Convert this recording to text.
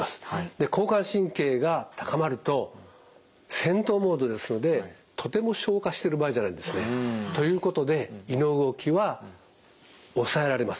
交感神経が高まると戦闘モードですのでとても消化してる場合じゃないんですね。ということで胃の動きは抑えられます。